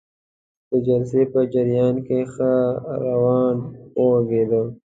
د جلسې په جریان کې ښه روان وغږیده.